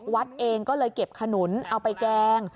วัดเองก็เลยเก็บขนุนเอาไปแกง